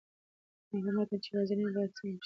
هغه متن چې واضح نه وي، باید سم شي.